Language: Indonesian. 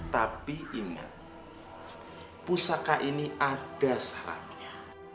tapi ingat pusaka ini ada syaratnya